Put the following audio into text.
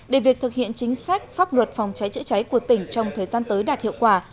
để việc thực hiện chính sách pháp luật phòng cháy chữa cháy của tỉnh trong thời gian tới đạt hiệu quả